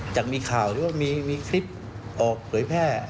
จากมีข่าวหรือว่ามีคลิปออกเผยแพร่